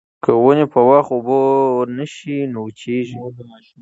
که ونې په وخت اوبه نه شي نو وچېږي.